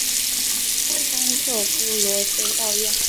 丰特夫罗修道院。